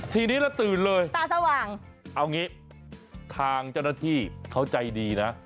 ทีนี้แล้วตื่นเลยเอางี้ทางเจ้าหน้าที่เขาใจดีนะ